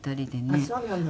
あっそうなの。